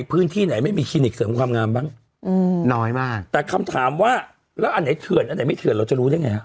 แล้วอันไหนเถื่อนอันไหนไม่เถื่อนเราจะรู้ได้ไงฮะ